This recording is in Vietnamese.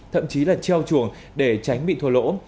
thậm chí là treo chuồng để tránh bị thua lỗ